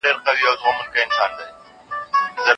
کورنۍ پانګونه باید وهڅول سي.